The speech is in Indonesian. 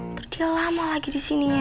ntar dia lama lagi disininya